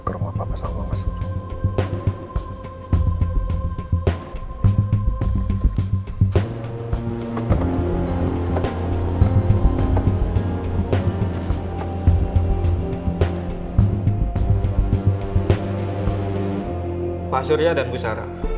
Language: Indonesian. ke rumah papa sama mama sudha